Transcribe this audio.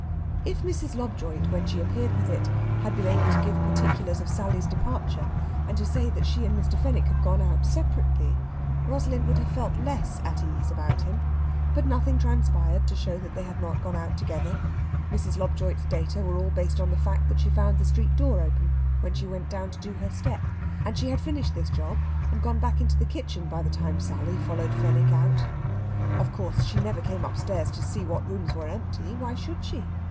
If Mrs. Lobjoit, when she appeared with it, had been able to give particulars of Sally's departure, and to say that she and Mr. Fenwick had gone out separately, Rosalind would have felt less at ease about him; but nothing transpired to show that they had not gone out together. Mrs. Lobjoit's data were all based on the fact that she found the street door open when she went to do down her step, and she had finished this job and gone back into the kitchen by the time Sally followed Fenwick out. Of course, she never came upstairs to see what rooms were empty; why should she?